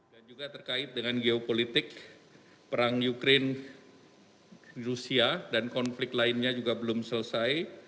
dan juga terkait dengan geopolitik perang ukraine rusia dan konflik lainnya juga belum selesai